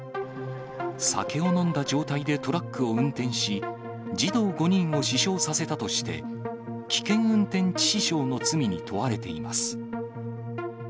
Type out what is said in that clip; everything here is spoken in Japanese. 酒を飲んだ状態でトラックを運転し、児童５人を死傷させたとして、危険運転致死傷の罪に問われています。